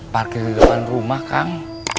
parkir di depan rumah kang